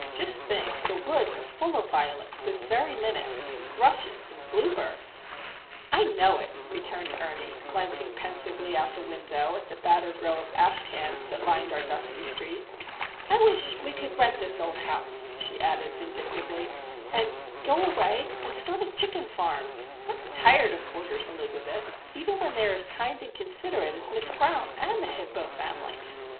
Just think, the woods are full of violets this very minute,—and thrushes, and bluebirds!" "I know it," returned Ernie, glancing pensively out the window at the battered row of ash cans that lined our dusty street. "I wish we could rent this old house," she added, vindictively, "and go away, and start a chicken farm! I'm tired of boarders, Elizabeth;—even when they are as kind and considerate as Miss Brown and the Hippo family!"